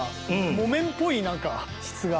木綿っぽい何か質が。